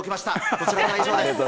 こちらからは以上です。